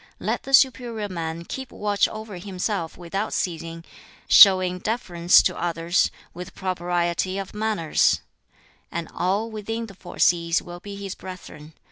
Let the superior man keep watch over himself without ceasing, showing deference to others, with propriety of manners and all within the four seas will be his brethren.